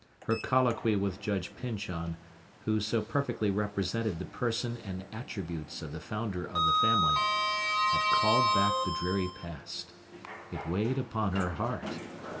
Her colloquy with Judge Pyncheon, who so perfectly represented the person and attributes of the founder of the family, had called back the dreary past. It weighed upon her heart.